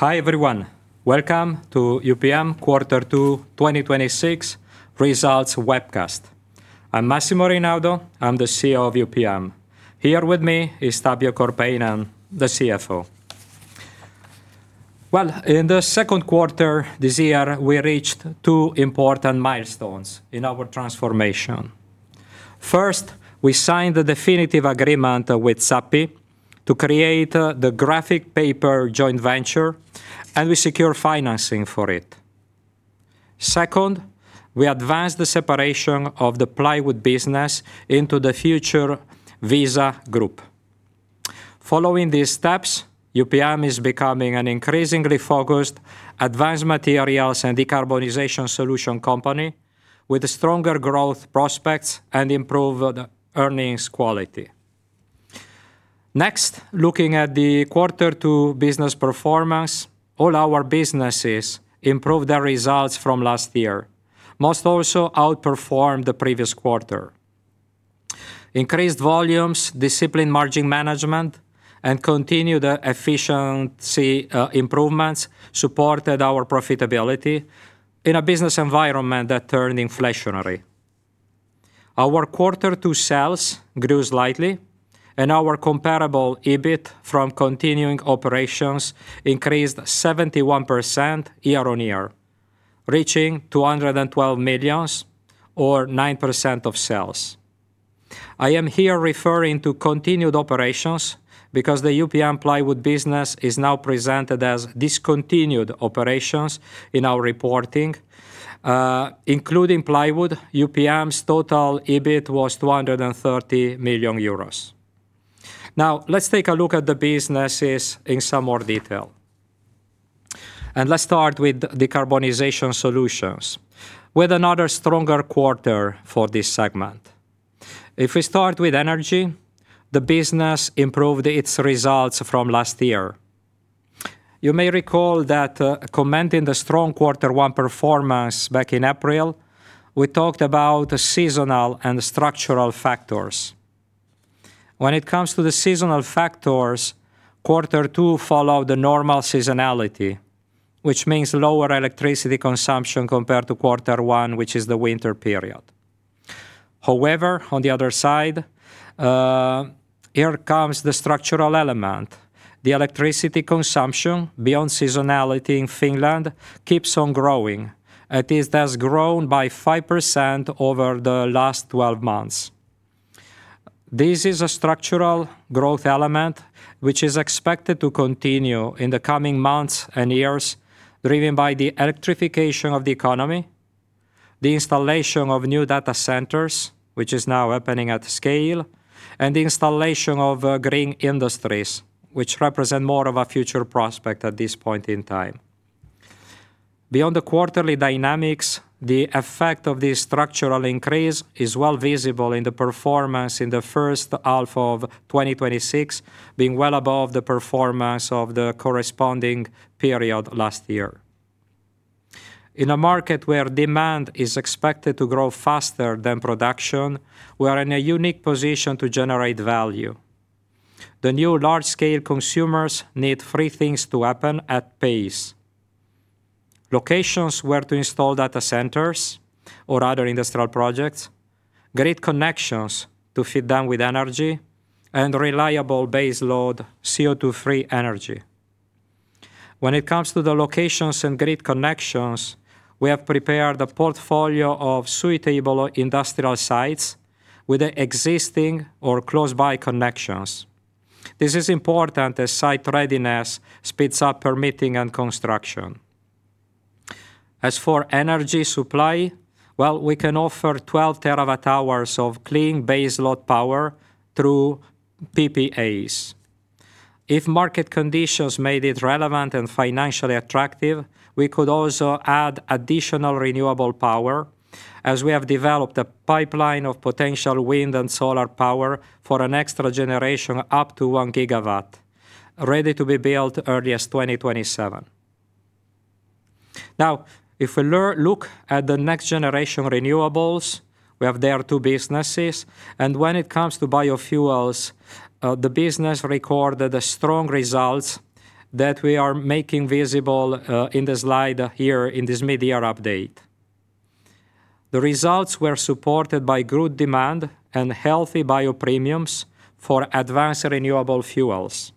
Hi, everyone. Welcome to UPM Quarter Two 2026 Results Webcast. I'm Massimo Reynaudo. I'm the CEO of UPM. Here with me is Tapio Korpeinen, the CFO. Well, in the second quarter this year, we reached two important milestones in our transformation. First, we signed the definitive agreement with Sappi to create the graphic paper joint venture, and we secure financing for it. Second, we advanced the separation of the UPM Plywood business into the future WISA Group. Following these steps, UPM is becoming an increasingly focused advanced materials and decarbonization solutions company with stronger growth prospects and improved earnings quality. Next, looking at the quarter two business performance, all our businesses improved their results from last year. Most also outperformed the previous quarter. Increased volumes, disciplined margin management, and continued efficiency improvements supported our profitability in a business environment that turned inflationary. Our quarter two sales grew slightly, our comparable EBIT from continuing operations increased 71% year-on-year, reaching 212 million or 9% of sales. I am here referring to continued operations because the UPM Plywood business is now presented as discontinued operations in our reporting. Including UPM Plywood, UPM's total EBIT was 230 million euros. Let's take a look at the businesses in some more detail. Let's start with Decarbonization Solutions, with another stronger quarter for this segment. If we start with energy, the business improved its results from last year. You may recall that commenting the strong quarter one performance back in April, we talked about the seasonal and structural factors. When it comes to the seasonal factors, quarter two followed the normal seasonality, which means lower electricity consumption compared to quarter one, which is the winter period. However, on the other side, here comes the structural element. The electricity consumption beyond seasonality in Finland keeps on growing. It has grown by 5% over the last 12 months. This is a structural growth element which is expected to continue in the coming months and years, driven by the electrification of the economy, the installation of new data centers, which is now happening at scale, and the installation of green industries, which represent more of a future prospect at this point in time. Beyond the quarterly dynamics, the effect of this structural increase is well visible in the performance in the first half of 2026, being well above the performance of the corresponding period last year. In a market where demand is expected to grow faster than production, we are in a unique position to generate value. The new large-scale consumers need three things to happen at pace: locations where to install data centers or other industrial projects, grid connections to feed them with energy, and reliable base load, CO2-free energy. When it comes to the locations and grid connections, we have prepared a portfolio of suitable industrial sites with existing or close by connections. This is important as site readiness speeds up permitting and construction. As for energy supply, well, we can offer 12 TWh of clean base load power through PPAs. If market conditions made it relevant and financially attractive, we could also add additional renewable power as we have developed a pipeline of potential wind and solar power for an extra generation up to 1 GW, ready to be built early as 2027. If we look at the next generation renewables, we have there two businesses. When it comes to biofuels, the business recorded strong results that we are making visible in the slide here in this mid-year update. The results were supported by good demand and healthy bio premiums for advanced renewable fuels.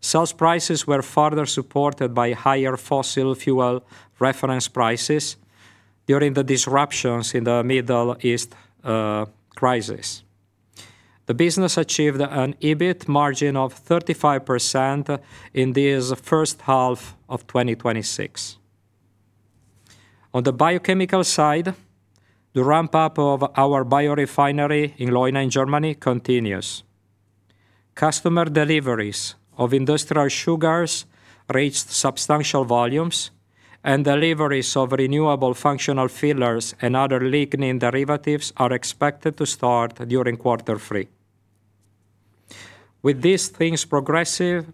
Sales prices were further supported by higher fossil fuel reference prices during the disruptions in the Middle East crisis. The business achieved an EBIT margin of 35% in this first half of 2026. On the biochemical side, the ramp-up of our biorefinery in Leuna in Germany continues. Customer deliveries of industrial sugars reached substantial volumes, and deliveries of renewable functional fillers and other lignin derivatives are expected to start during quarter three. With these things progressing,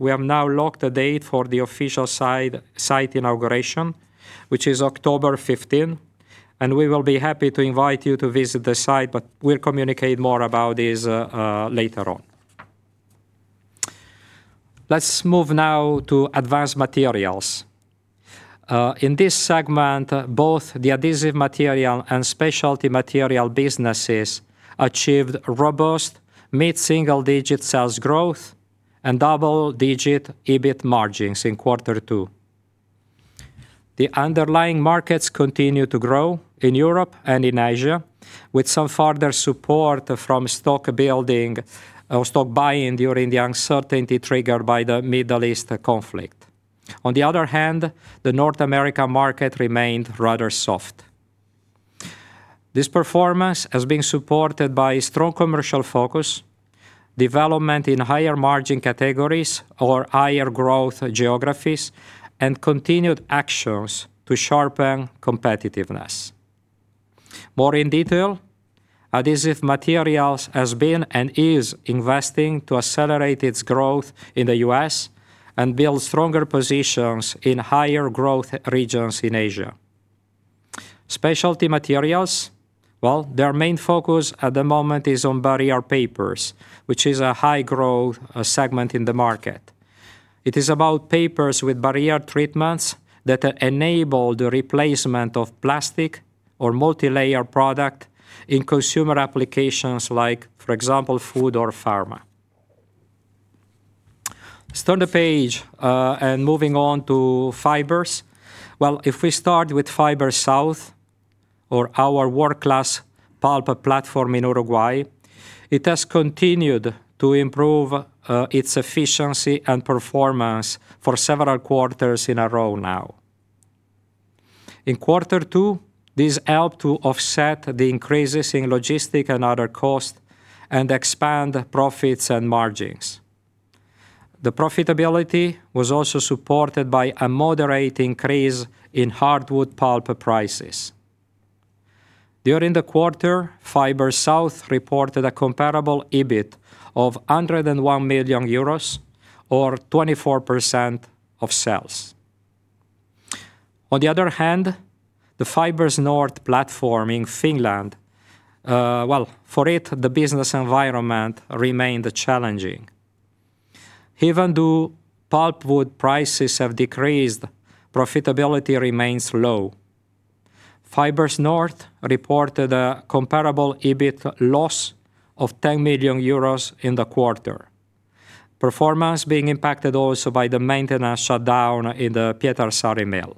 we have now locked a date for the official site inauguration, which is October 15. We will be happy to invite you to visit the site, but we will communicate more about this later on. Let's move now to advanced materials. In this segment, both the UPM Adhesive Materials and UPM Specialty Materials businesses achieved robust mid-single-digit sales growth and double-digit EBIT margins in quarter two. The underlying markets continue to grow in Europe and in Asia, with some further support from stock building or stock buying during the uncertainty triggered by the Middle East conflict. The North America market remained rather soft. This performance has been supported by strong commercial focus, development in higher margin categories or higher growth geographies, and continued actions to sharpen competitiveness. More in detail, UPM Adhesive Materials has been, and is, investing to accelerate its growth in the U.S. and build stronger positions in higher growth regions in Asia. UPM Specialty Materials, their main focus at the moment is on barrier papers, which is a high growth segment in the market. It is about papers with barrier treatments that enable the replacement of plastic or multilayer product in consumer applications like, for example, food or pharma. Let's turn the page. Moving on to Fibres. If we start with Fibres South, or our world-class pulp platform in Uruguay, it has continued to improve its efficiency and performance for several quarters in a row now. In quarter two, this helped to offset the increases in logistic and other costs and expand profits and margins. The profitability was also supported by a moderate increase in hardwood pulp prices. During the quarter, Fibres South reported a comparable EBIT of 101 million euros or 24% of sales. On the other hand, the Fibres North platform in Finland, for it, the business environment remained challenging. Even though pulpwood prices have decreased, profitability remains low. Fibres North reported a comparable EBIT loss of 10 million euros in the quarter. Performance being impacted also by the maintenance shutdown in the Pietarsaari mill.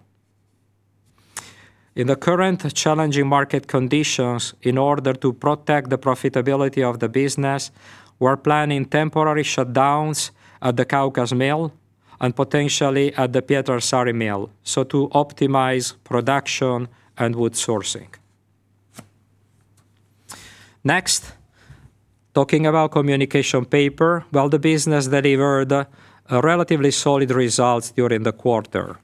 In the current challenging market conditions, in order to protect the profitability of the business, we are planning temporary shutdowns at the Kaukas mill and potentially at the Pietarsaari mill, so to optimize production and wood sourcing. Talking about Communication Papers, the business delivered relatively solid results during the quarter.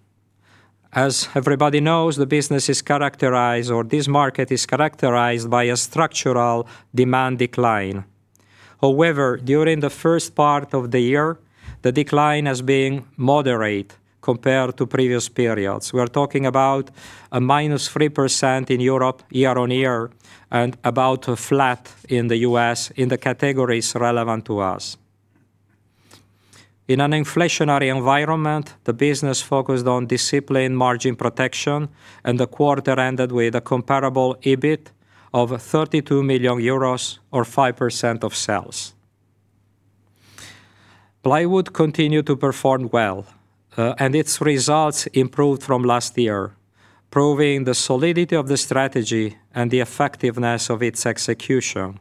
As everybody knows, the business is characterized, this market is characterized by a structural demand decline. However, during the first part of the year, the decline has been moderate compared to previous periods. We are talking about a minus 3% in Europe year-on-year, and about flat in the U.S. in the categories relevant to us. In an inflationary environment, the business focused on disciplined margin protection, and the quarter ended with a comparable EBIT of 32 million euros, or 5% of sales. UPM Plywood continued to perform well, and its results improved from last year, proving the solidity of the strategy and the effectiveness of its execution.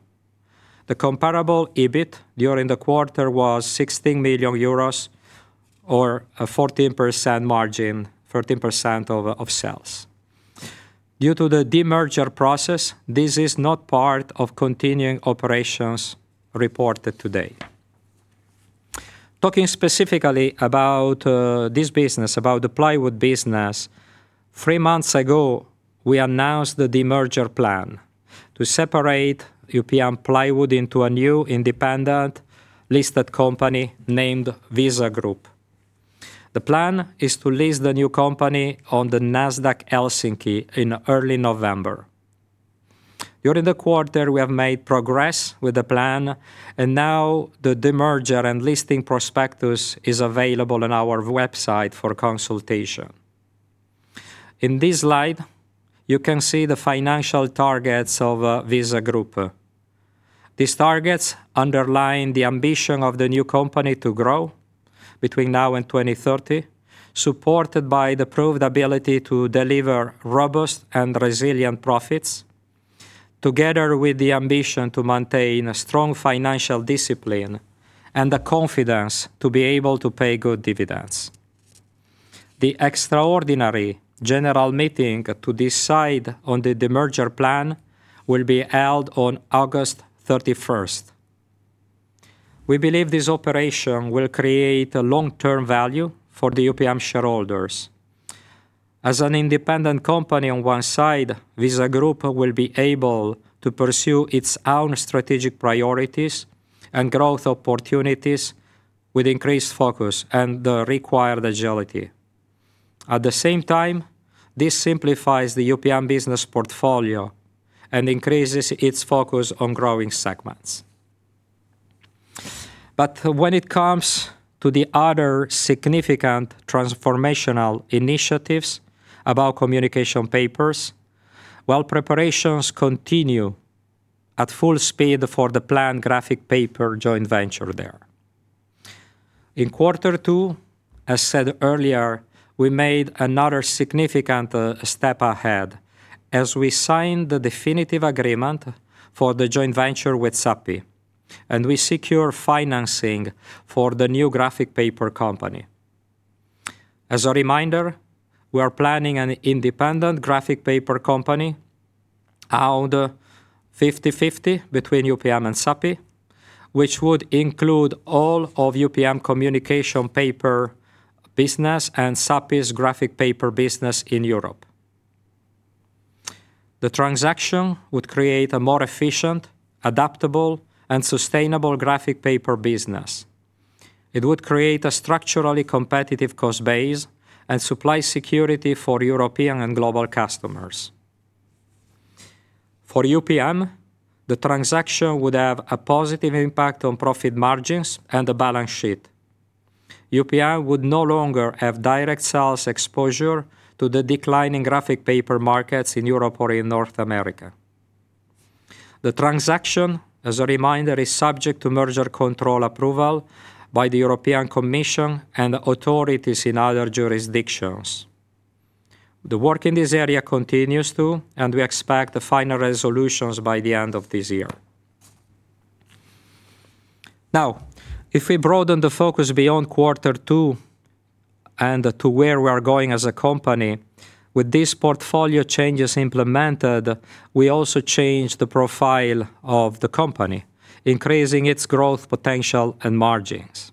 The comparable EBIT during the quarter was 16 million euros or a 14% margin, 14% of sales. Due to the demerger process, this is not part of continuing operations reported today. Talking specifically about this business, about the UPM Plywood business, three months ago, we announced the demerger plan to separate UPM Plywood into a new independent listed company named WISA Group. The plan is to list the new company on the Nasdaq Helsinki in early November. During the quarter, we have made progress with the plan, and now the demerger and listing prospectus is available on our website for consultation. In this slide, you can see the financial targets of WISA Group. These targets underline the ambition of the new company to grow between now and 2030, supported by the proved ability to deliver robust and resilient profits, together with the ambition to maintain a strong financial discipline and the confidence to be able to pay good dividends. The extraordinary general meeting to decide on the demerger plan will be held on August 31st. We believe this operation will create a long-term value for the UPM shareholders. As an independent company on one side, WISA Group will be able to pursue its own strategic priorities and growth opportunities with increased focus and the required agility. At the same time, this simplifies the UPM business portfolio and increases its focus on growing segments. When it comes to the other significant transformational initiatives about UPM Communication Papers, while preparations continue at full speed for the planned graphic paper joint venture there. In quarter two, as said earlier, we made another significant step ahead as we signed the definitive agreement for the joint venture with Sappi, and we secure financing for the new graphic paper company. As a reminder, we are planning an independent graphic paper company, owned 50/50 between UPM and Sappi, which would include all of UPM Communication Papers business and Sappi's Graphic Paper business in Europe. The transaction would create a more efficient, adaptable, and sustainable Graphic Paper business. It would create a structurally competitive cost base and supply security for European and global customers. For UPM, the transaction would have a positive impact on profit margins and the balance sheet. UPM would no longer have direct sales exposure to the declining graphic paper markets in Europe or in North America. The transaction, as a reminder, is subject to merger control approval by the European Commission and authorities in other jurisdictions. The work in this area continues too, and we expect the final resolutions by the end of this year. If we broaden the focus beyond quarter two and to where we are going as a company, with these portfolio changes implemented, we also change the profile of the company, increasing its growth potential and margins.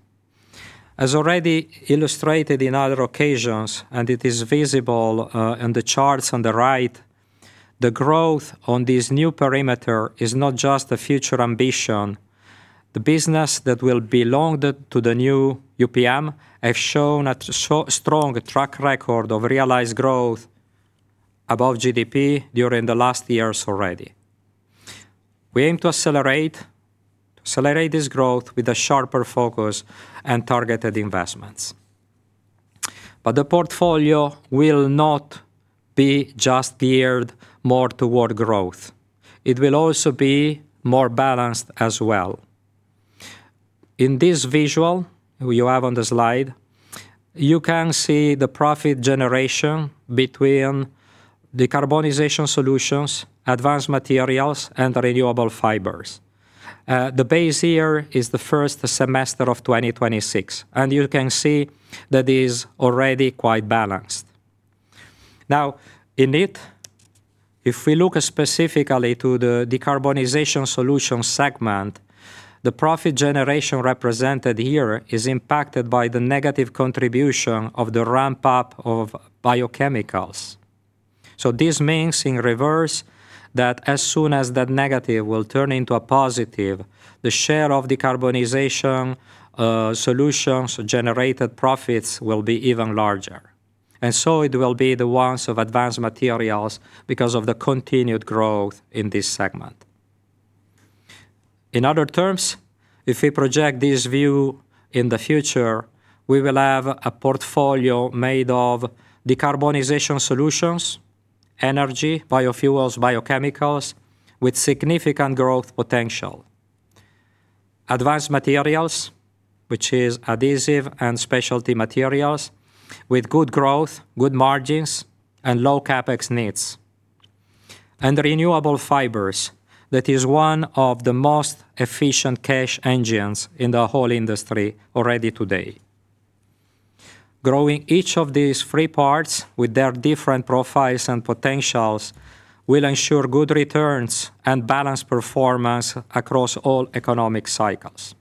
As already illustrated in other occasions, and it is visible in the charts on the right, the growth on this new perimeter is not just a future ambition. The business that will belong to the new UPM has shown a strong track record of realized growth above GDP during the last years already. We aim to accelerate this growth with a sharper focus and targeted investments. The portfolio will not be just geared more toward growth. It will also be more balanced as well. In this visual you have on the slide, you can see the profit generation between decarbonization solutions, advanced materials, and renewable fibres. The base here is the first semester of 2026, and you can see that it is already quite balanced. In it, if we look specifically to the decarbonization solutions segment, the profit generation represented here is impacted by the negative contribution of the ramp-up of biochemicals. This means, in reverse, that as soon as that negative will turn into a positive, the share of decarbonization solutions' generated profits will be even larger. It will be the ones of advanced materials because of the continued growth in this segment. In other terms, if we project this view in the future, we will have a portfolio made of decarbonization solutions, energy, biofuels, biochemicals with significant growth potential. Advanced materials, which is Adhesive and specialty materials with good growth, good margins, and low CapEx needs. Renewable fibres, that is one of the most efficient cash engines in the whole industry already today. Growing each of these three parts with their different profiles and potentials will ensure good returns and balanced performance across all economic cycles.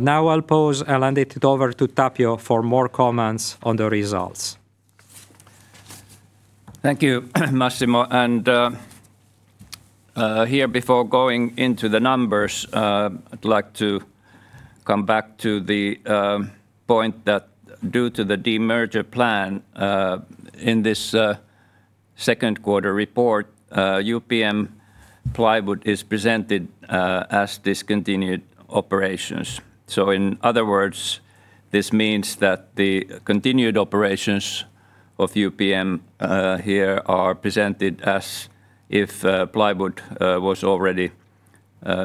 Now I'll pause and hand it over to Tapio for more comments on the results. Thank you, Massimo. Here, before going into the numbers, I'd like to come back to the point that due to the demerger plan, in this second quarter report, UPM Plywood is presented as discontinued operations. In other words, this means that the continued operations of UPM here are presented as if Plywood was already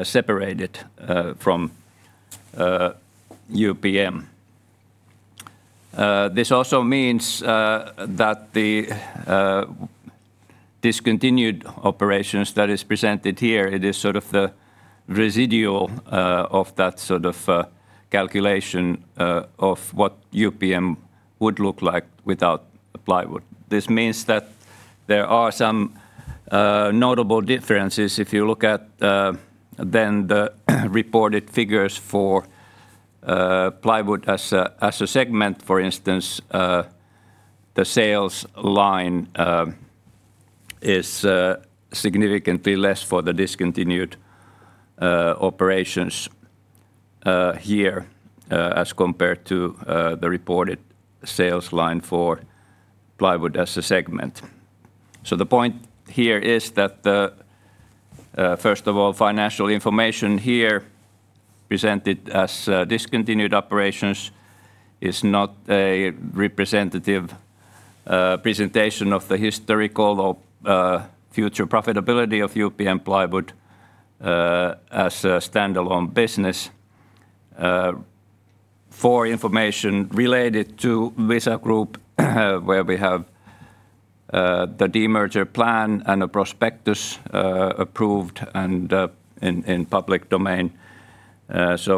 separated from UPM. This also means that the discontinued operations that is presented here, it is sort of the residual of that calculation of what UPM would look like without the Plywood. This means that there are some notable differences if you look at then the reported figures for Plywood as a segment. For instance, the sales line is significantly less for the discontinued operations here as compared to the reported sales line for Plywood as a segment. The point here is that first of all, financial information here presented as discontinued operations is not a representative presentation of the historical or future profitability of UPM Plywood as a standalone business. For information related to WISA Group, where we have the de-merger plan and a prospectus approved and in public domain,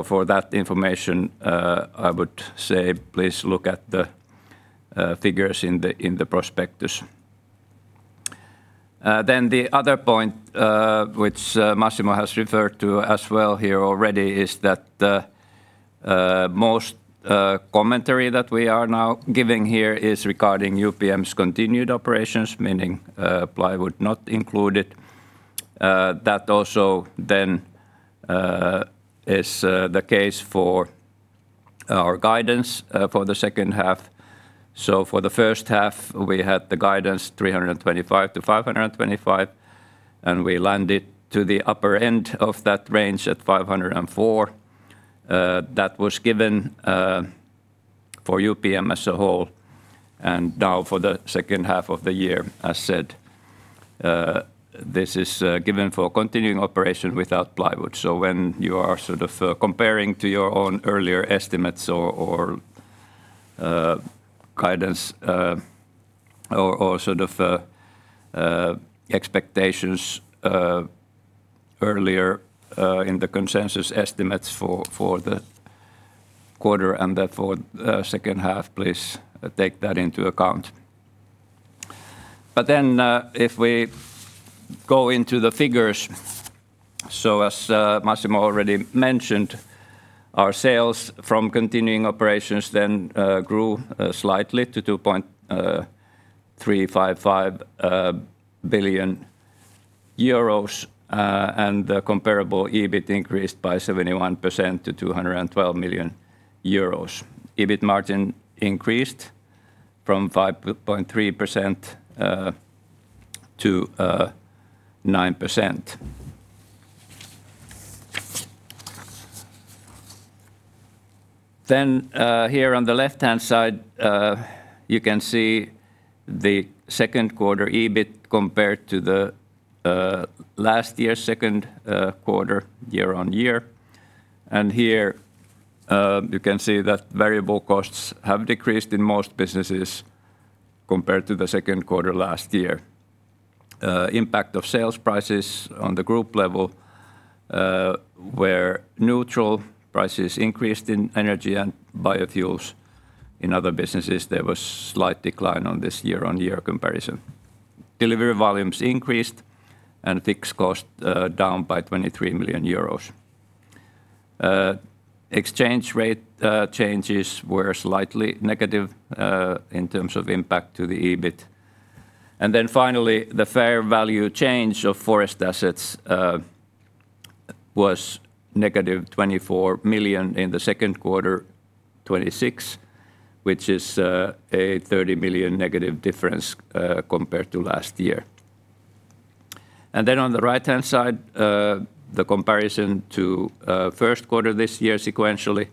for that information, I would say please look at the figures in the prospectus. The other point, which Massimo has referred to as well here already, is that the most commentary that we are now giving here is regarding UPM's continued operations, meaning Plywood not included. That also then is the case for our guidance for the second half. For the first half, we had the guidance 325 million-525 million, and we landed to the upper end of that range at 504 million. That was given for UPM as a whole, now for the second half of the year, as said, this is given for continuing operation without Plywood. When you are comparing to your own earlier estimates, or guidance, or expectations earlier in the consensus estimates for the quarter and therefore the second half, please take that into account. If we go into the figures, as Massimo already mentioned, our sales from continuing operations then grew slightly to 2.355 billion euros, the comparable EBIT increased by 71% to 212 million euros. EBIT margin increased from 5.3% to 9%. Here on the left-hand side, you can see the second quarter EBIT compared to the last year second quarter year-on-year. Here you can see that variable costs have decreased in most businesses compared to the second quarter last year. Impact of sales prices on the group level were neutral. Prices increased in energy and biofuels. In other businesses, there was slight decline on this year-on-year comparison. Delivery volumes increased, fixed cost down by 23 million euros. Exchange rate changes were slightly negative in terms of impact to the EBIT. Finally, the fair value change of forest assets was -24 million in the second quarter 2026, which is a 30 million negative difference compared to last year. On the right-hand side, the comparison to first quarter this year sequentially,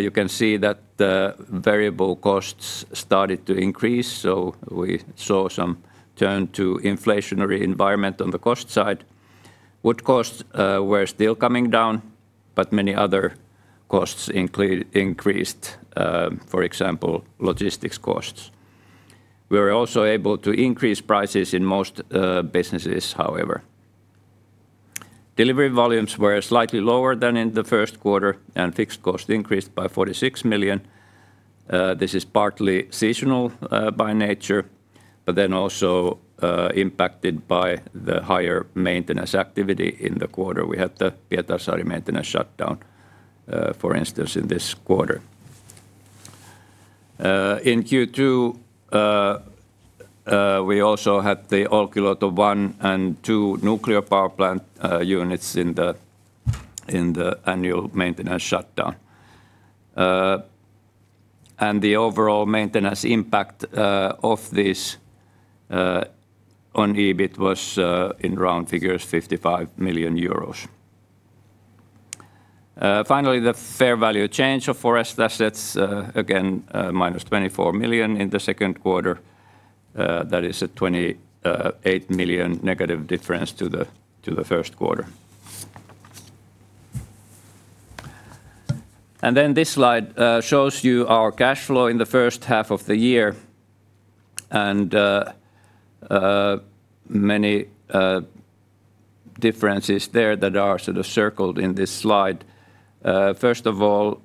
you can see that the variable costs started to increase. We saw some turn to inflationary environment on the cost side. Wood costs were still coming down, many other costs increased, for example, logistics costs. We were also able to increase prices in most businesses however. Delivery volumes were slightly lower than in the first quarter, fixed cost increased by 46 million. This is partly seasonal by nature also impacted by the higher maintenance activity in the quarter. We had the Pietarsaari maintenance shutdown, for instance, in this quarter. In Q2, we also had the Olkiluoto 1 and 2 nuclear power plant units in the annual maintenance shutdown. The overall maintenance impact of this on EBIT was in round figures 55 million euros. Finally, the fair value change of forest assets, again, -24 million in the second quarter. That is a 28 million negative difference to the first quarter. This slide shows you our cash flow in the first half of the year many differences there that are circled in this slide. First of all,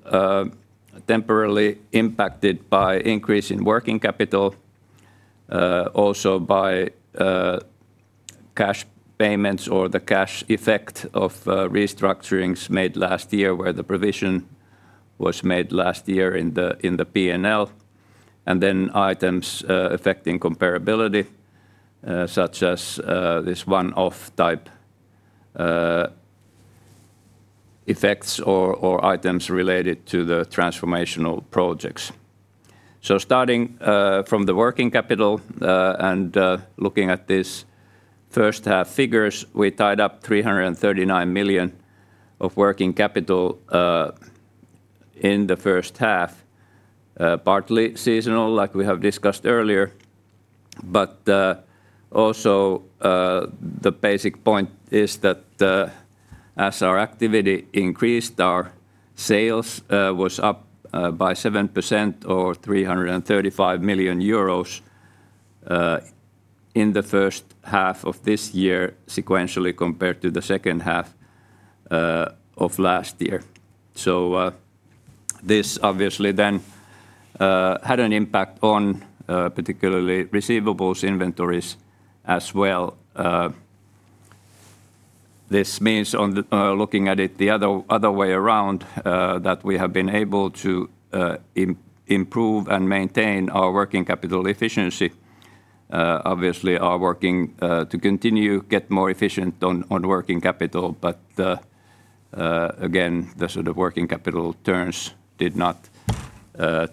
temporarily impacted by increase in working capital, also by cash payments or the cash effect of restructurings made last year, where the provision was made last year in the P&L, and then items affecting comparability, such as this one-off type effects or items related to the transformational projects. Starting from the working capital, and looking at these first half figures, we tied up 339 million of working capital in the first half. Partly seasonal, like we have discussed earlier, but also the basic point is that as our activity increased, our sales were up by 7% or 335 million euros in the first half of this year sequentially compared to the second half of last year. This obviously then had an impact on particularly receivables inventories as well. This means looking at it the other way around, that we have been able to improve and maintain our working capital efficiency. Obviously, are working to continue get more efficient on working capital. Again, the sort of working capital turns did not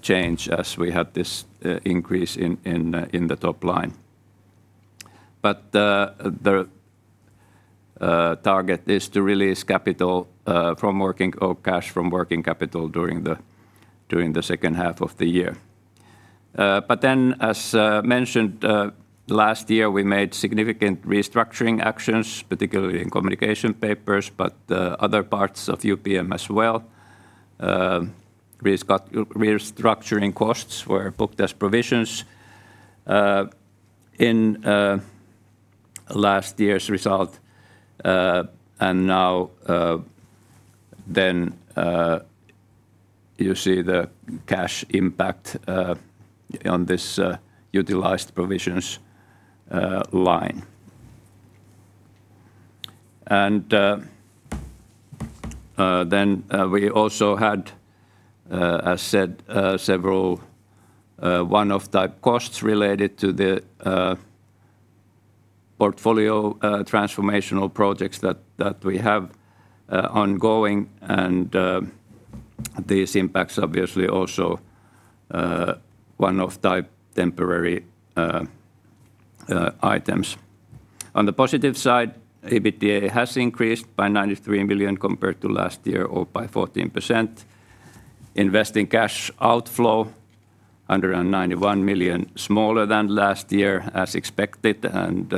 change as we had this increase in the top line. The target is to release cash from working capital during the second half of the year. As mentioned, last year we made significant restructuring actions, particularly in UPM Communication Papers, but other parts of UPM as well. Restructuring costs were booked as provisions in last year's result, now then you see the cash impact on this utilized provisions line. Then we also had, as said, several one-off type costs related to the portfolio transformational projects that we have ongoing and these impacts obviously also one-off type temporary items. On the positive side, EBITDA has increased by 93 million compared to last year or by 14%. Investing cash outflow, 191 million, smaller than last year, as expected and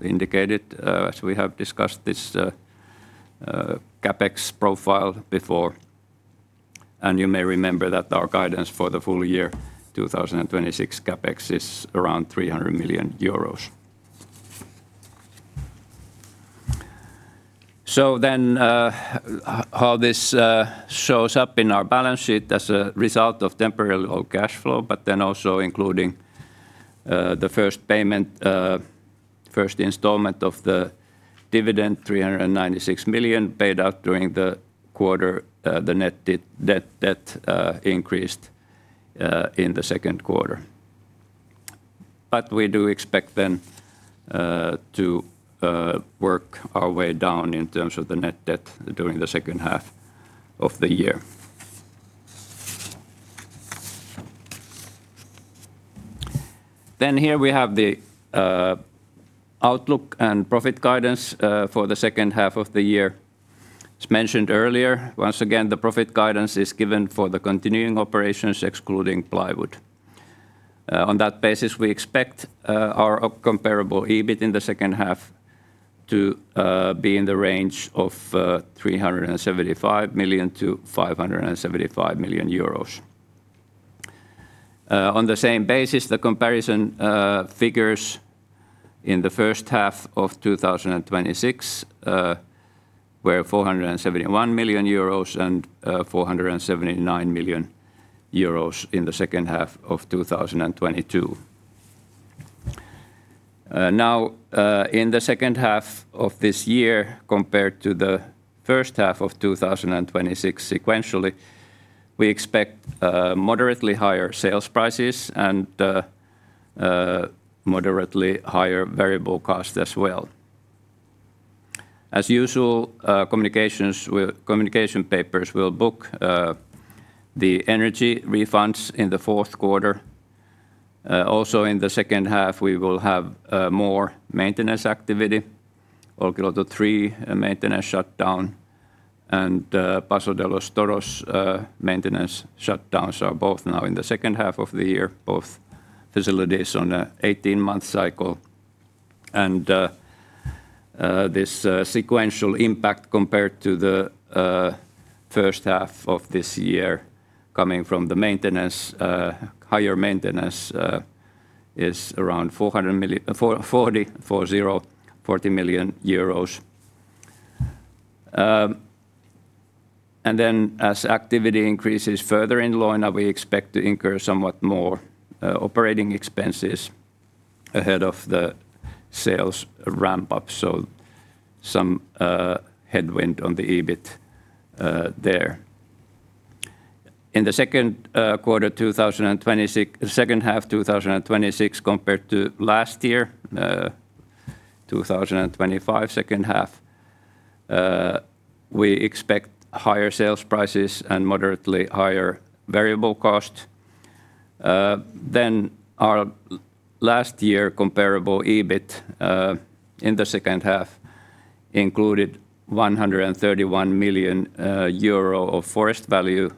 indicated as we have discussed this CapEx profile before, and you may remember that our guidance for the full year 2026 CapEx is around 300 million euros. How this shows up in our balance sheet as a result of temporary cash flow, but then also including the first payment, first installment of the dividend, 396 million paid out during the quarter. The net debt increased in the second quarter. We do expect then to work our way down in terms of the net debt during the second half of the year. Here we have the outlook and profit guidance for the second half of the year. As mentioned earlier, once again, the profit guidance is given for the continuing operations excluding UPM Plywood. On that basis, we expect our comparable EBIT in the second half to be in the range of 375 million-575 million euros. On the same basis, the comparison figures in the first half of 2026 were 471 million euros and 479 million euros in the second half of 2022. In the second half of this year compared to the first half of 2026 sequentially, we expect moderately higher sales prices and moderately higher variable costs as well. As usual, UPM Communication Papers will book the energy refunds in the fourth quarter. Also in the second half, we will have more maintenance activity. Olkiluoto 3 maintenance shutdown and Paso de los Toros maintenance shutdowns are both now in the second half of the year, both facilities on an 18-month cycle. This sequential impact compared to the first half of this year coming from the higher maintenance is around EUR 40 million. As activity increases further in Leuna, we expect to incur somewhat more operating expenses ahead of the sales ramp up. Some headwind on the EBIT there. In the second half 2026 compared to last year, 2025 second half, we expect higher sales prices and moderately higher variable cost. Our last year comparable EBIT in the second half included 131 million euro of forest value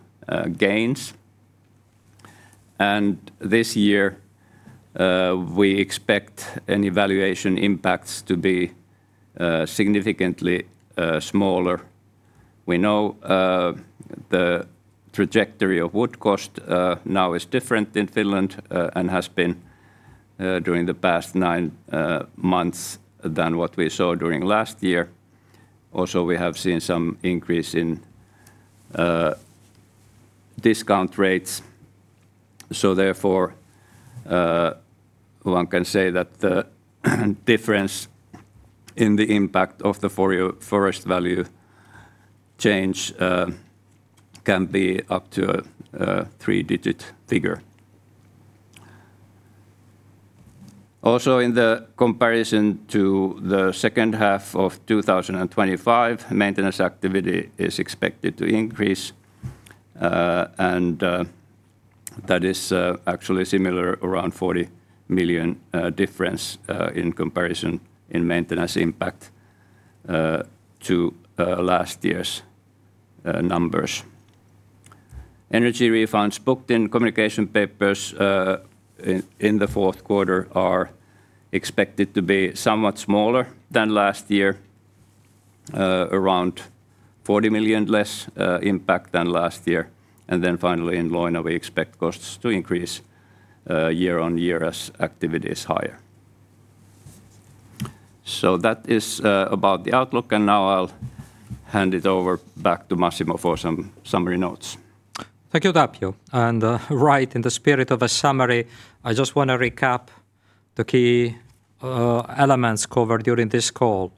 gains. This year, we expect any valuation impacts to be significantly smaller. We know the trajectory of wood cost now is different in Finland and has been during the past nine months than what we saw during last year. Also, we have seen some increase in discount rates. Therefore, one can say that the difference in the impact of the forest value change can be up to a three-digit figure. Also, in the comparison to the second half of 2025, maintenance activity is expected to increase. That is actually similar, around 40 million difference in comparison in maintenance impact to last year's numbers. Energy refunds booked in UPM Communication Papers in the fourth quarter are expected to be somewhat smaller than last year. Around 40 million less impact than last year. Finally, in Leuna, we expect costs to increase year-on-year as activity is higher. That is about the outlook, now I'll hand it over back to Massimo for some summary notes. Thank you, Tapio. Right in the spirit of a summary, I just want to recap the key elements covered during this call.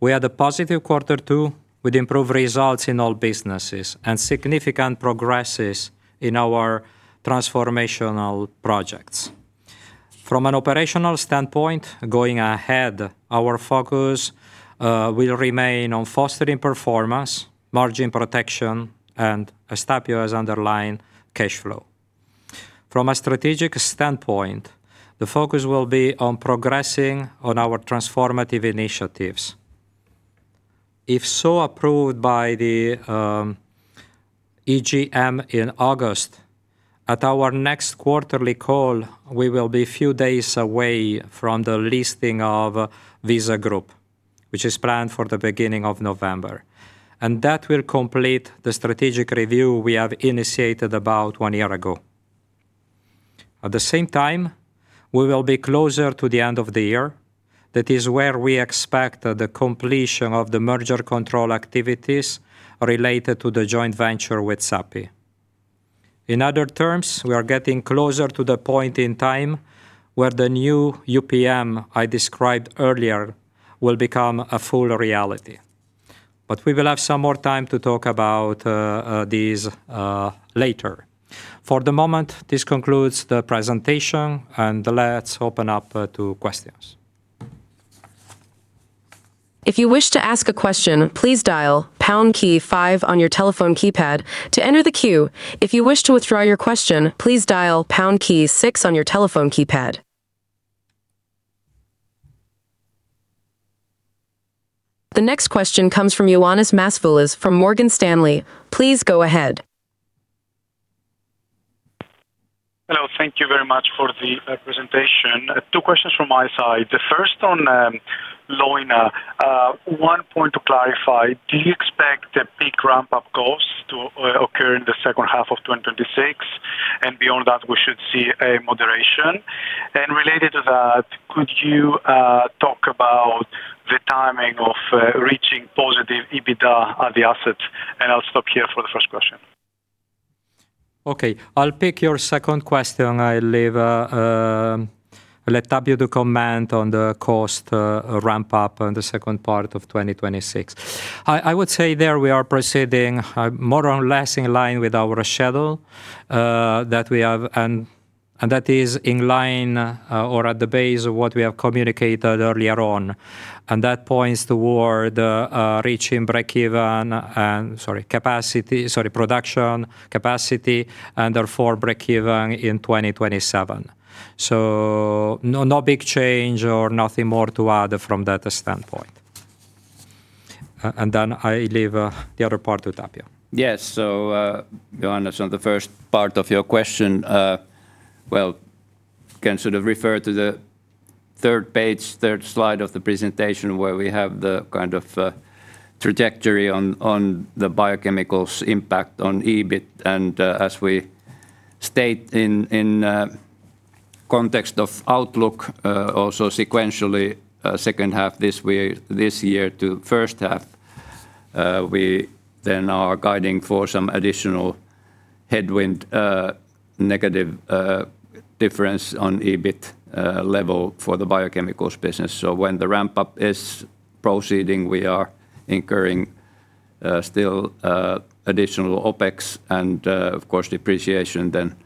We had a positive quarter two with improved results in all businesses and significant progresses in our transformational projects. From an operational standpoint going ahead, our focus will remain on fostering performance, margin protection, and as Tapio has underlined, cash flow. From a strategic standpoint, the focus will be on progressing on our transformative initiatives. If so approved by the EGM in August, at our next quarterly call, we will be a few days away from the listing of WISA Group, which is planned for the beginning of November. That will complete the strategic review we have initiated about one year ago. At the same time, we will be closer to the end of the year. That is where we expect the completion of the merger control activities related to the joint venture with Sappi. In other terms, we are getting closer to the point in time where the new UPM I described earlier will become a full reality. We will have some more time to talk about these later. For the moment, this concludes the presentation, let's open up to questions. If you wish to ask a question, please dial pound key five on your telephone keypad to enter the queue. If you wish to withdraw your question, please dial pound key six on your telephone keypad. The next question comes from Ioannis Masvoulas from Morgan Stanley. Please go ahead. Hello. Thank you very much for the presentation. Two questions from my side. The first on Leuna. One point to clarify, do you expect the peak ramp-up costs to occur in the second half of 2026? Beyond that, we should see a moderation. Related to that, could you talk about the timing of reaching positive EBITDA at the assets? I'll stop here for the first question. Okay. I'll pick your second question. I'll let Tapio comment on the cost ramp-up on the second part of 2026. I would say there we are proceeding more or less in line with our schedule that we have, and that is in line or at the base of what we have communicated earlier on. That points toward reaching breakeven and production capacity, and therefore breakeven in 2027. No big change or nothing more to add from that standpoint. Then I leave the other part to Tapio. Yes. Ioannis, on the first part of your question, well, can sort of refer to the third page, third slide of the presentation where we have the kind of trajectory on the biochemicals' impact on EBIT. As we state in context of outlook also sequentially second half this year to first half, we then are guiding for some additional headwind negative difference on EBIT level for the biochemicals business. When the ramp-up is proceeding, we are incurring still additional OpEx and of course depreciation then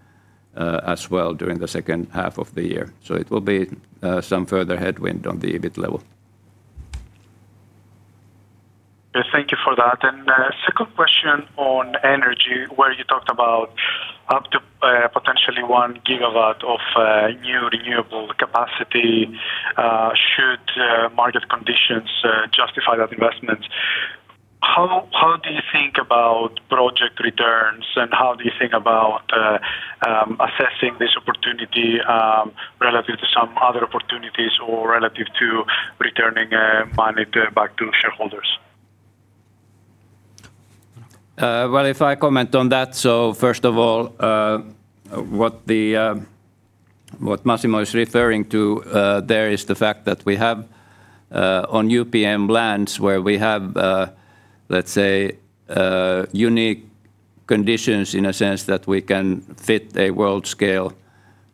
as well during the second half of the year. It will be some further headwind on the EBIT level. Yes. Thank you for that. Second question on energy, where you talked about up to potentially 1 GW of new renewable capacity should market conditions justify that investment. How do you think about project returns, and how do you think about assessing this opportunity relative to some other opportunities or relative to returning money back to shareholders? Well, if I comment on that. First of all, what Massimo is referring to there is the fact that we have on UPM lands where we have, let's say, unique conditions in a sense that we can fit a world-scale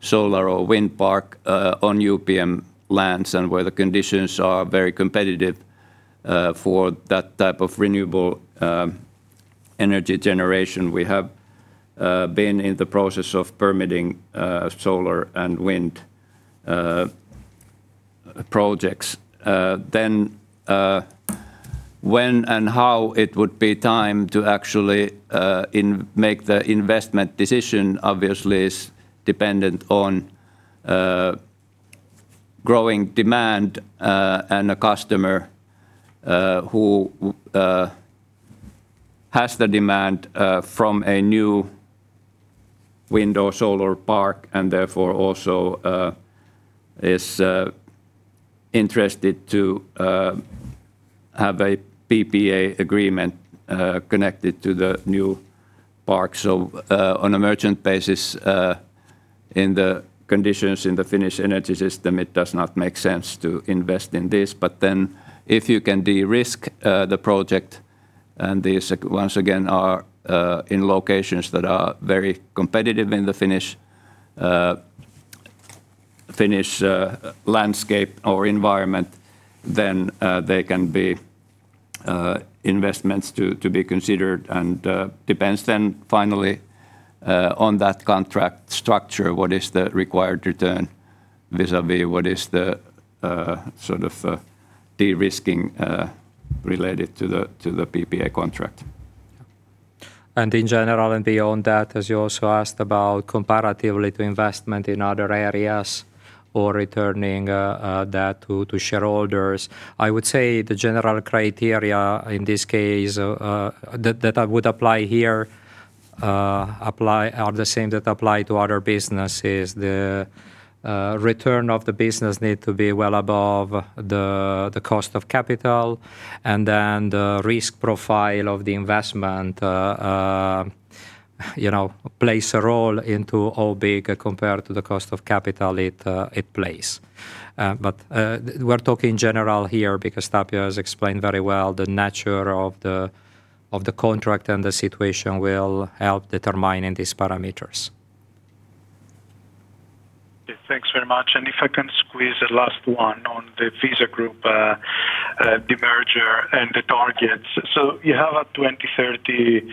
solar or wind park on UPM lands, where the conditions are very competitive for that type of renewable energy generation. We have been in the process of permitting solar and wind projects. When and how it would be time to actually make the investment decision obviously is dependent on growing demand and a customer who has the demand from a new wind or solar park, and therefore also is interested to have a PPA agreement connected to the new park. On a merchant basis, in the conditions in the Finnish energy system, it does not make sense to invest in this. If you can de-risk the project, these once again are in locations that are very competitive in the Finnish landscape or environment, they can be investments to be considered and depends finally on that contract structure, what is the required return vis-à-vis what is the sort of de-risking related to the PPA contract. In general and beyond that, as you also asked about comparatively to investment in other areas or returning that to shareholders, I would say the general criteria in this case that I would apply here are the same that apply to other businesses. The return of the business need to be well above the cost of capital, the risk profile of the investment plays a role into how big compared to the cost of capital it plays. We're talking general here because Tapio has explained very well the nature of the contract and the situation will help determine these parameters. Yes. Thanks very much. If I can squeeze a last one on the WISA Group demerger and the targets. You have a 2030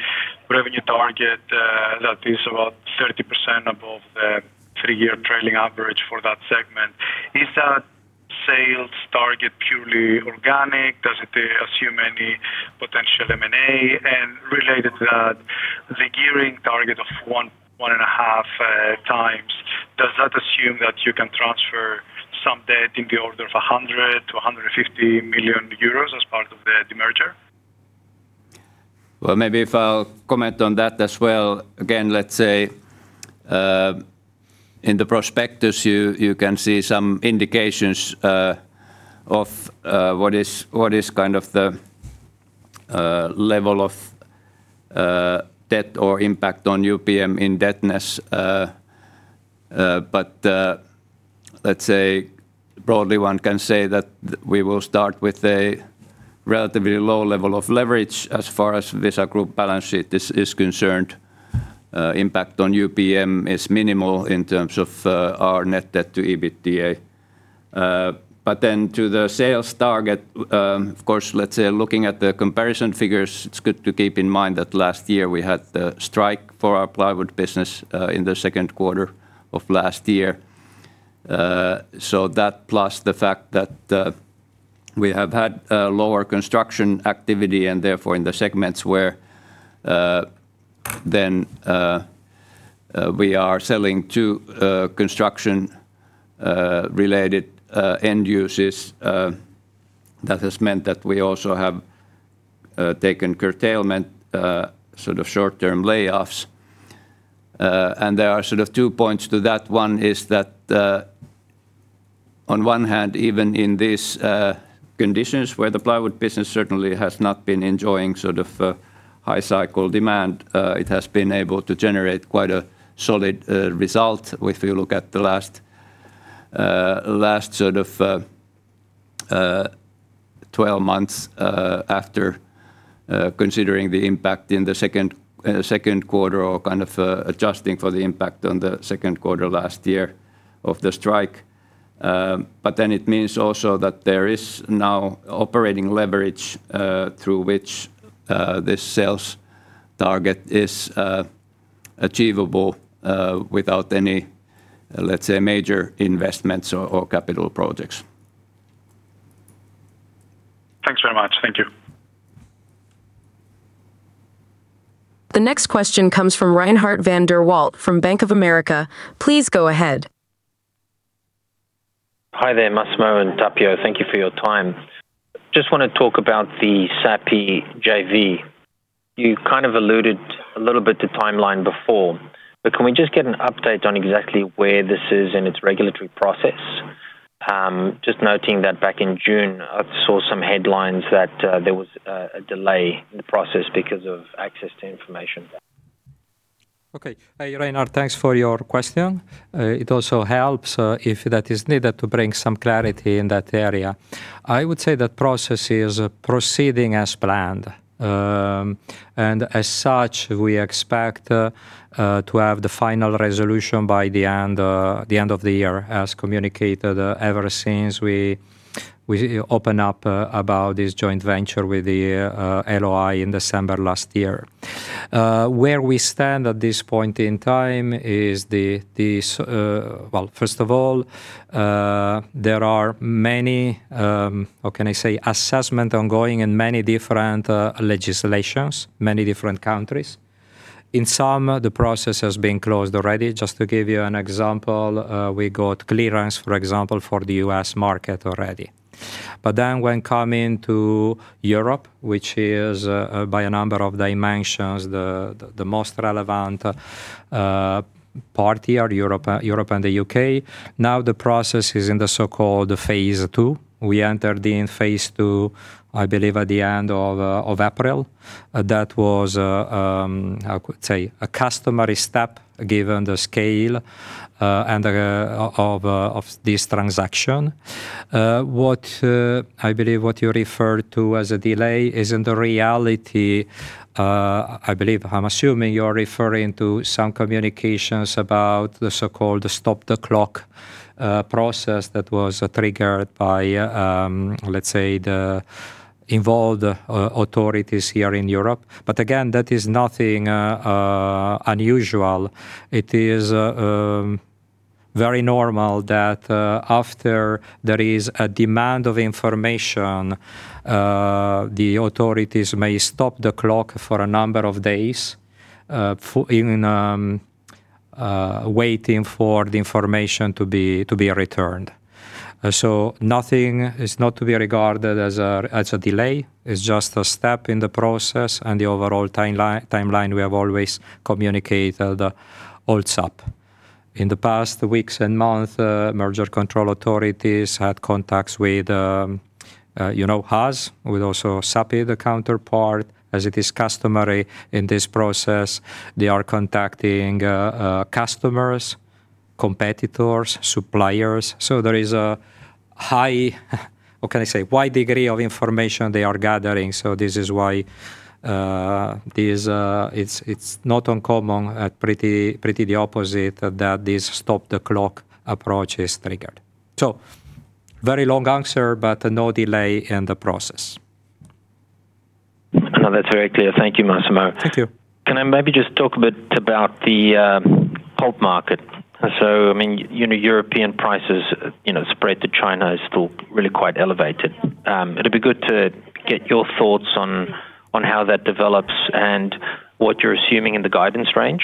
revenue target that is about 30% above the three-year trailing average for that segment. Is that sales target purely organic? Does it assume any potential M&A? Related to that, the gearing target of 1.5x, does that assume that you can transfer some debt in the order of 100 million-150 million euros as part of the demerger? Well, maybe if I'll comment on that as well. Let's say in the prospectus you can see some indications of what is the level of debt or impact on UPM indebtedness. Let's say broadly one can say that we will start with a relatively low level of leverage as far as WISA Group balance sheet is concerned. Impact on UPM is minimal in terms of our net debt to EBITDA. To the sales target, of course, let's say looking at the comparison figures, it's good to keep in mind that last year we had the strike for our UPM Plywood business in the second quarter of last year. That plus the fact that we have had lower construction activity and therefore in the segments where then we are selling to construction-related end users, that has meant that we also have taken curtailment sort of short-term layoffs. There are sort of two points to that. On one hand, even in these conditions where the UPM Plywood business certainly has not been enjoying high cycle demand, it has been able to generate quite a solid result if you look at the last 12 months after considering the impact in the second quarter or adjusting for the impact on the second quarter last year of the strike. It means also that there is now operating leverage, through which this sales target is achievable without any, let's say, major investments or capital projects. Thanks very much. Thank you. The next question comes from Reinhardt van der Walt from Bank of America. Please go ahead. Hi there, Massimo and Tapio. Thank you for your time. Just want to talk about the Sappi JV. You kind of alluded a little bit to timeline before, but can we just get an update on exactly where this is in its regulatory process? Just noting that back in June, I saw some headlines that there was a delay in the process because of access to information. Okay. Hi, Reinhardt. Thanks for your question. It also helps if that is needed to bring some clarity in that area. I would say that process is proceeding as planned. As such, we expect to have the final resolution by the end of the year, as communicated ever since we opened up about this joint venture with the LOI in December last year. Where we stand at this point in time is, first of all, there are many, how can I say, assessment ongoing in many different legislations, many different countries. In some, the process has been closed already. Just to give you an example, we got clearance, for example, for the U.S. market already. When coming to Europe, which is by a number of dimensions the most relevant party, are Europe and the U.K. Now the process is in the so-called Phase II. We entered in Phase II, I believe at the end of April. That was, how could say, a customary step given the scale of this transaction. I believe what you referred to as a delay is in the reality, I believe I'm assuming you're referring to some communications about the so-called stop the clock process that was triggered by, let's say, the involved authorities here in Europe. Again, that is nothing unusual. It is very normal that after there is a demand of information, the authorities may stop the clock for a number of days waiting for the information to be returned. It's not to be regarded as a delay. It's just a step in the process and the overall timeline we have always communicated holds up. In the past weeks and month, merger control authorities had contacts with us, with also Sappi, the counterpart, as it is customary in this process. They are contacting customers, competitors, suppliers. There is a high, what can I say, wide degree of information they are gathering. This is why it's not uncommon, pretty the opposite, that this stop the clock approach is triggered. Very long answer, but no delay in the process. That's very clear. Thank you, Massimo. Thank you. Can I maybe just talk a bit about the pulp market? European prices spread to China is still really quite elevated. It'd be good to get your thoughts on how that develops and what you're assuming in the guidance range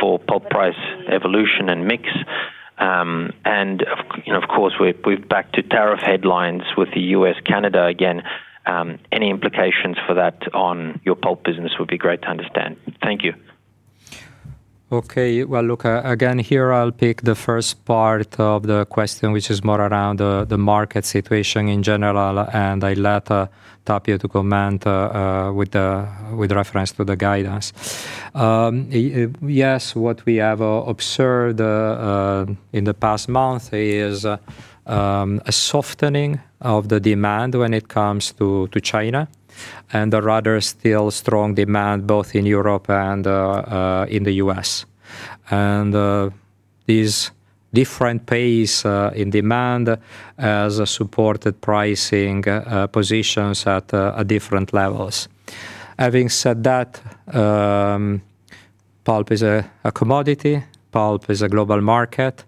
for pulp price evolution and mix. Of course, we're back to tariff headlines with the U.S., Canada again. Any implications for that on your pulp business would be great to understand. Thank you. Okay. Look, again, here I'll pick the first part of the question, which is more around the market situation in general. I let Tapio to comment with reference to the guidance. What we have observed in the past month is a softening of the demand when it comes to China, and a rather still strong demand both in Europe and in the U.S. This different pace in demand has supported pricing positions at different levels. Having said that, pulp is a commodity, pulp is a global market.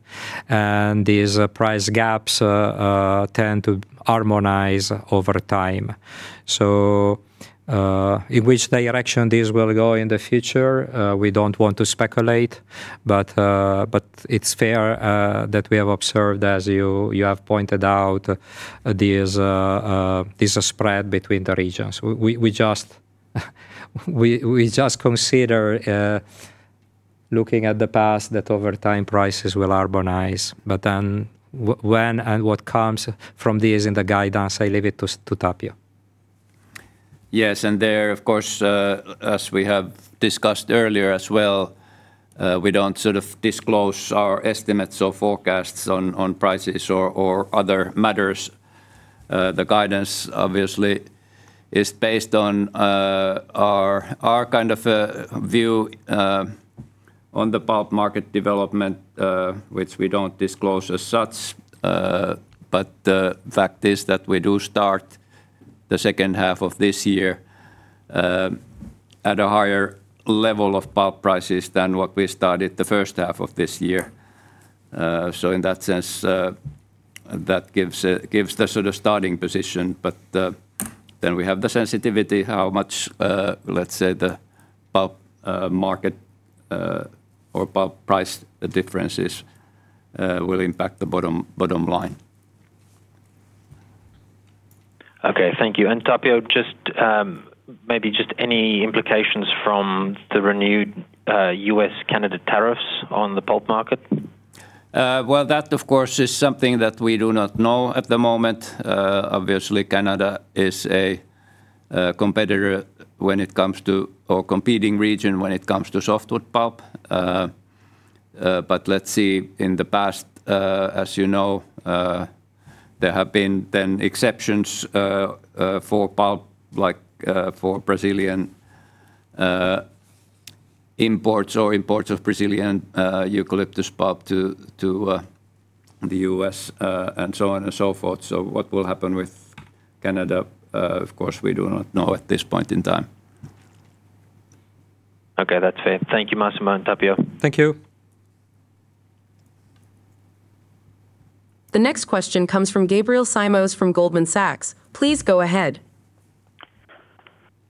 These price gaps tend to harmonize over time. In which direction this will go in the future, we don't want to speculate, but it's fair that we have observed, as you have pointed out, this spread between the regions. We just consider looking at the past that over time prices will harmonize. When and what comes from this in the guidance, I leave it to Tapio. There, of course, as we have discussed earlier as well, we don't sort of disclose our estimates or forecasts on prices or other matters. The guidance obviously is based on our kind of view on the pulp market development, which we don't disclose as such. The fact is that we do start the second half of this year at a higher level of pulp prices than what we started the first half of this year. In that sense, that gives the sort of starting position. We have the sensitivity, how much, let's say, the pulp market or pulp price differences will impact the bottom line. Okay. Thank you. Tapio, maybe just any implications from the renewed U.S.-Canada tariffs on the pulp market? That, of course, is something that we do not know at the moment. Obviously, Canada is a competitor when it comes to, or competing region when it comes to softwood pulp. Let's see, in the past, as you know, there have been then exceptions for pulp, like for Brazilian imports or imports of Brazilian eucalyptus pulp to the U.S., and so on and so forth. What will happen with Canada, of course, we do not know at this point in time. Okay, that's it. Thank you, Massimo and Tapio. Thank you. The next question comes from Gabriel Simões from Goldman Sachs. Please go ahead.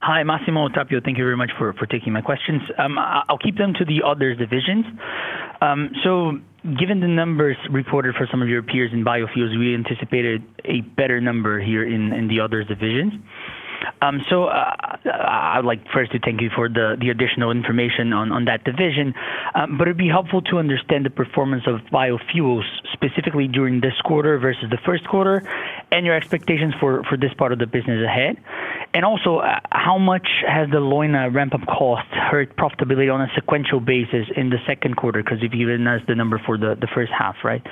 Hi, Massimo and Tapio. Thank you very much for taking my questions. I'll keep them to the others divisions. Given the numbers reported for some of your peers in biofuels, we anticipated a better number here in the others divisions. I would like first to thank you for the additional information on that division. It'd be helpful to understand the performance of biofuels specifically during this quarter versus the first quarter, and your expectations for this part of the business ahead. Also, how much has the Leuna ramp-up cost hurt profitability on a sequential basis in the second quarter, because if you even asked the number for the first half, right?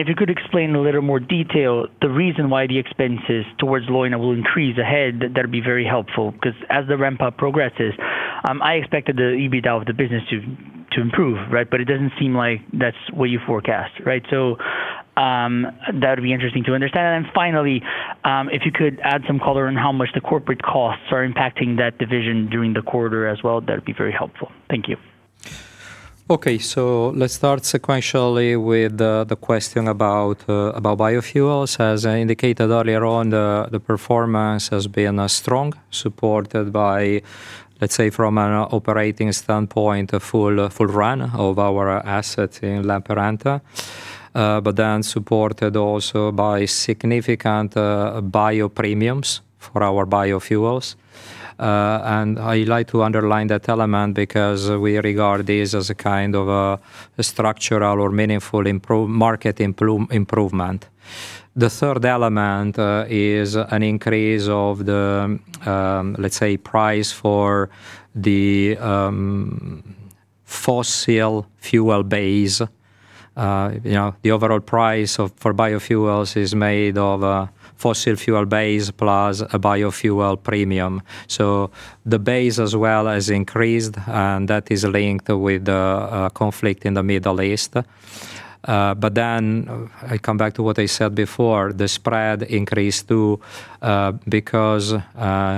If you could explain a little more detail, the reason why the expenses towards Leuna will increase ahead, that'd be very helpful, because as the ramp-up progresses, I expected the EBITDA of the business to improve, right? It doesn't seem like that's what you forecast, right? That would be interesting to understand. Finally, if you could add some color on how much the corporate costs are impacting that division during the quarter as well, that'd be very helpful. Thank you. Okay. Let's start sequentially with the question about biofuels. As I indicated earlier on, the performance has been strong, supported by, let's say, from an operating standpoint, a full run of our assets in Lappeenranta. Supported also by significant bio premiums for our biofuels. I like to underline that element because we regard this as a kind of a structural or meaningful market improvement. The third element is an increase of the, let's say, price for the fossil fuel base. The overall price for biofuels is made of a fossil fuel base plus a biofuel premium. The base as well has increased, and that is linked with the conflict in the Middle East. I come back to what I said before, the spread increase too because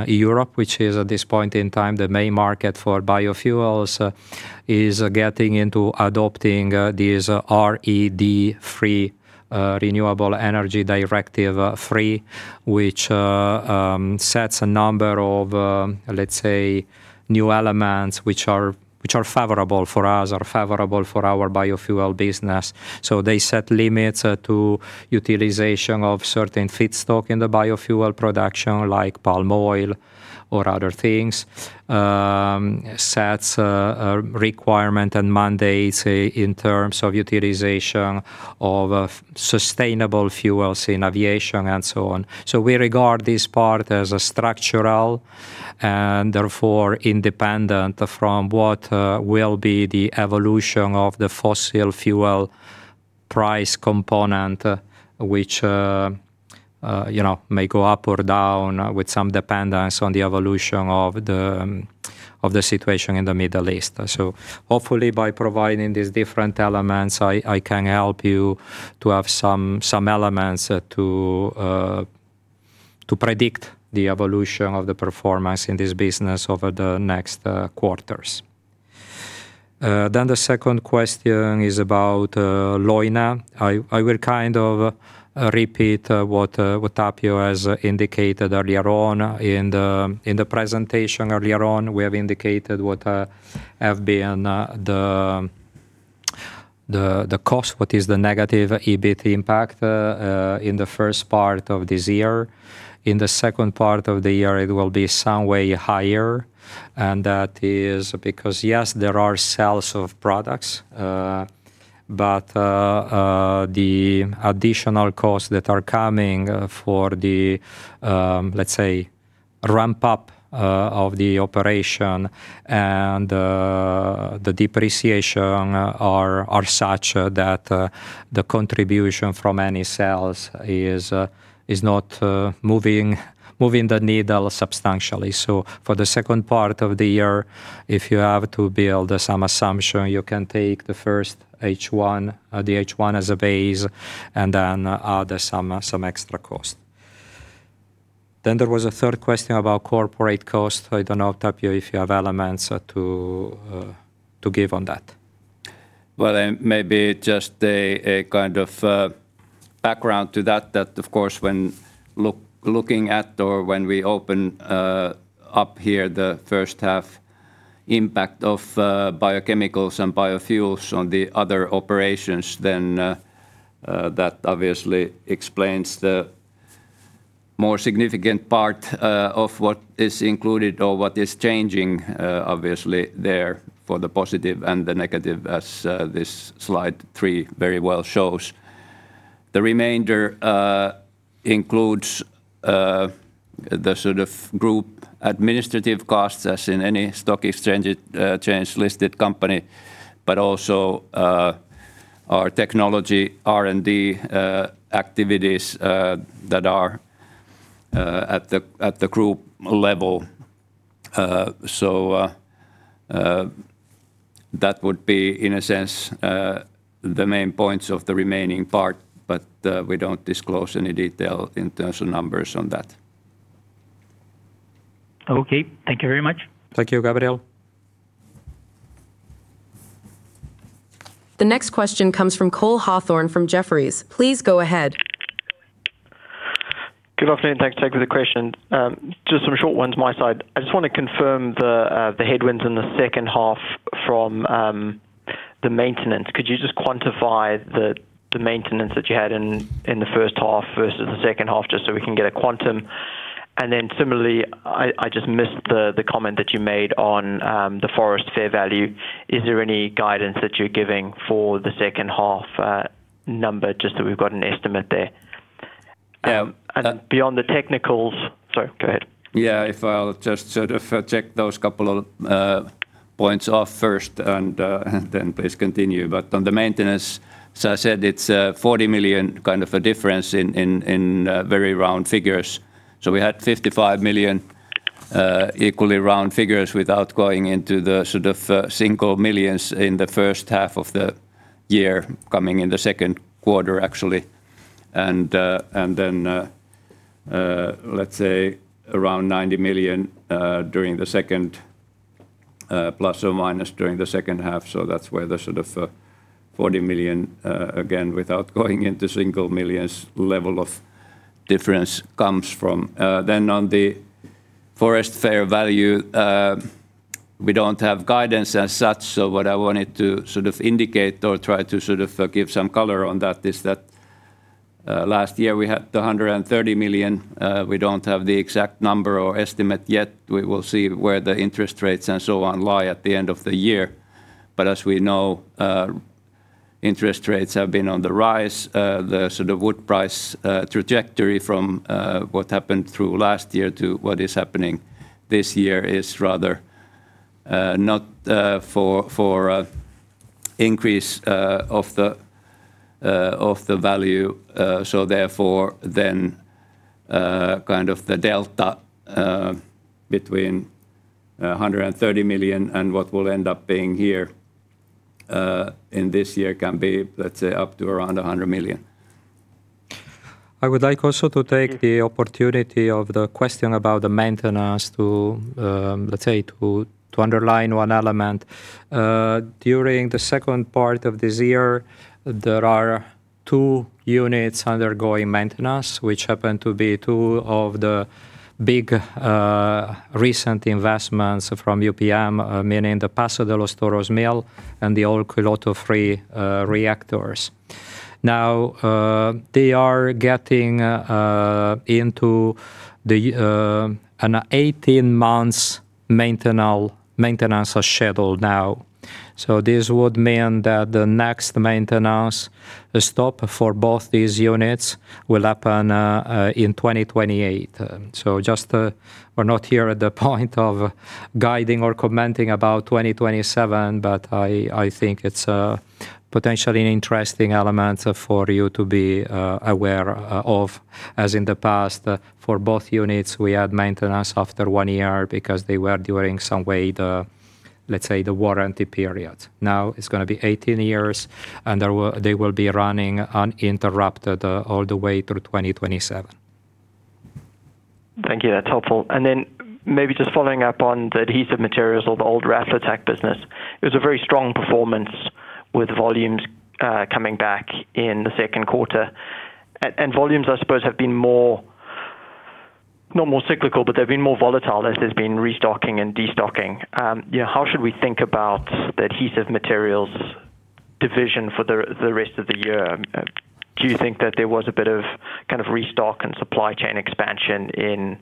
Europe, which is at this point in time the main market for biofuels is getting into adopting these RED III, Renewable Energy Directive III, which sets a number of, let's say, new elements which are favorable for us or favorable for our biofuel business. They set limits to utilization of certain feedstock in the biofuel production, like palm oil or other things, sets a requirement and mandate in terms of utilization of sustainable fuels in aviation and so on. We regard this part as structural and therefore independent from what will be the evolution of the fossil fuel price component, which may go up or down with some dependence on the evolution of the situation in the Middle East. Hopefully, by providing these different elements, I can help you to have some elements to predict the evolution of the performance in this business over the next quarters. The second question is about Leuna. I will kind of repeat what Tapio has indicated earlier on in the presentation earlier on. We have indicated what have been the cost, what is the negative EBIT impact in the first part of this year, in the second part of the year, it will be some way higher, and that is because yes, there are sales of products, but the additional costs that are coming for the let's say ramp up of the operation and the depreciation are such that the contribution from any sales is not moving the needle substantially. For the second part of the year, if you have to build some assumption, you can take the first H1 as a base and then add some extra cost. There was a third question about corporate cost. I don't know, Tapio, if you have elements to give on that. Maybe just a kind of background to that of course, when looking at or when we open up here the first half impact of biochemicals and biofuels on the other operations, that obviously explains the more significant part of what is included or what is changing obviously there for the positive and the negative as this slide three very well shows. The remainder includes the sort of group administrative costs as in any stock exchange-listed company, but also our technology, R&D activities that are at the group level. That would be in a sense the main points of the remaining part, but we don't disclose any detail in terms of numbers on that. Okay. Thank you very much. Thank you, Gabriel. The next question comes from Cole Hathorn from Jefferies. Please go ahead. Good afternoon. Thanks. Thanks for the question. Just some short ones my side. I just want to confirm the headwinds in the second half from the maintenance. Could you just quantify the maintenance that you had in the first half versus the second half just so we can get a quantum? Similarly, I just missed the comment that you made on the forest fair value. Is there any guidance that you're giving for the second half number just so we've got an estimate there? Yeah- Beyond the technicals. Sorry, go ahead. I'll just sort of check those couple of points off first and then please continue. On the maintenance, as I said, it's a 40 million kind of a difference in very round figures. We had 55 million equally round figures without going into the sort of single millions in the first half of the year coming in the second quarter, actually. Then let's say around 90 million plus or minus during the second half. That's where the sort of 40 million again, without going into single millions level of difference comes from. On the forest fair value we don't have guidance as such. What I wanted to sort of indicate or try to sort of give some color on that is that last year we had the 130 million. We don't have the exact number or estimate yet. We will see where the interest rates and so on lie at the end of the year. As we know interest rates have been on the rise. The sort of wood price trajectory from what happened through last year to what is happening this year is rather not for increase of the value. Therefore then kind of the delta between 130 million and what will end up being here in this year can be, let's say, up to around 100 million. I would like also to take the opportunity of the question about the maintenance to underline one element. During the second part of this year, there are two units undergoing maintenance, which happen to be two of the big recent investments from UPM, namely the Paso de los Toros mill and the Olkiluoto 3 reactors. They are getting into an 18 months maintenance schedule now. This would mean that the next maintenance stop for both these units will happen in 2028. We're not here at the point of guiding or commenting about 2027, but I think it's a potentially interesting element for you to be aware of as in the past for both units, we had maintenance after one year because they were doing some way the, let's say, the warranty period. Now it's going to be 18 years, and they will be running uninterrupted all the way through 2027. Thank you. That's helpful. Then maybe just following up on the UPM Adhesive Materials or the old UPM Raflatac business. It was a very strong performance with volumes coming back in the second quarter. Volumes I suppose have been more volatile as there's been restocking and de-stocking. How should we think about the UPM Adhesive Materials division for the rest of the year? Do you think that there was a bit of restock and supply chain expansion in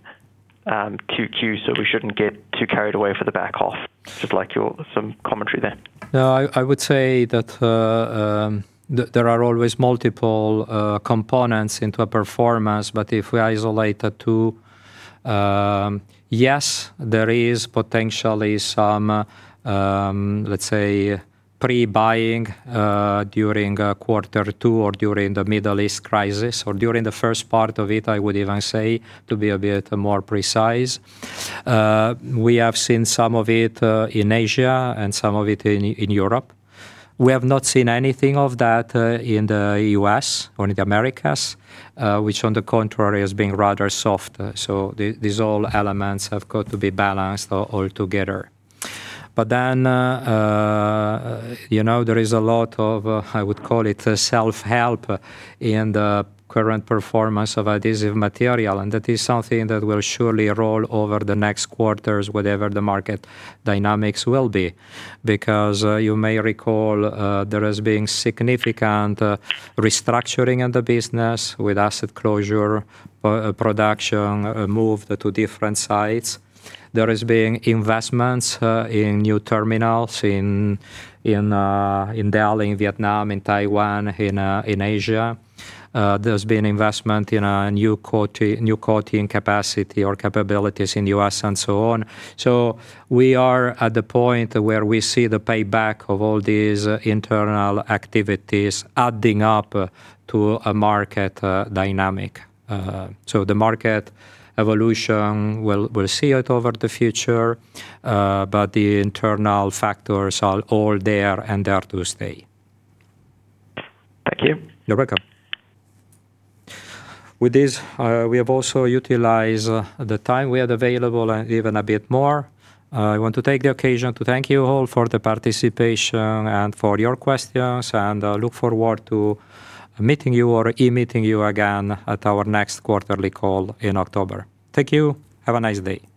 Q2 so we shouldn't get too carried away for the back half? Just like some commentary there. No, I would say that there are always multiple components into a performance. If we isolate the two, yes, there is potentially some, let's say, pre-buying during quarter two or during the Middle East crisis, or during the first part of it, I would even say, to be a bit more precise. We have seen some of it in Asia and some of it in Europe. We have not seen anything of that in the U.S. or in the Americas, which on the contrary, is being rather soft. These all elements have got to be balanced all together. There is a lot of, I would call it, self-help in the current performance of UPM Adhesive Materials, and that is something that will surely roll over the next quarters, whatever the market dynamics will be. You may recall, there has been significant restructuring in the business with asset closure, production moved to different sites. There has been investments in new terminals in Delhi, Vietnam, in Taiwan, in Asia. There's been investment in new coating capacity or capabilities in U.S. and so on. We are at the point where we see the payback of all these internal activities adding up to a market dynamic. The market evolution, we'll see it over the future, the internal factors are all there and there to stay. Thank you. You're welcome. With this, we have also utilized the time we had available and even a bit more. I want to take the occasion to thank you all for the participation and for your questions, and look forward to meeting you or e-meeting you again at our next quarterly call in October. Thank you. Have a nice day.